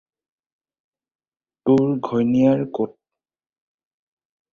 তোৰ ঘৈণীয়েৰ ক'ত?